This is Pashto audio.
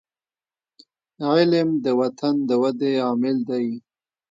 علم د وطن د ودي عامل دی.